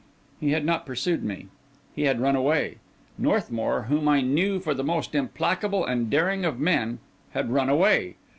He had not pursued me. He had run away. Northmour, whom I knew for the most implacable and daring of men, had run away!